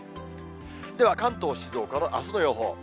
では関東のあすの予報。